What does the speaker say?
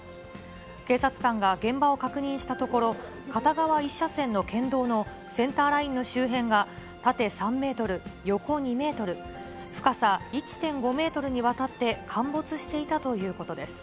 警察官が現場を確認したところ、片側１車線の県道のセンターラインの周辺が、縦３メートル、横２メートル、深さ１．５メートルにわたって、陥没していたということです。